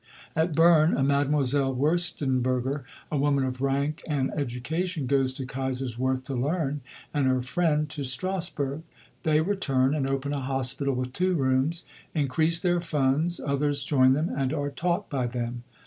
At Berne, a Mdlle. Würstenberger, a woman of rank and education, goes to Kaiserswerth to learn, and her friend to Strassburg. They return and open a hospital with two rooms, increase their funds, others join them and are taught by them....